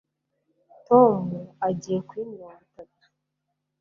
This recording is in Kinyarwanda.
Tom agiye kuri mirongo itatu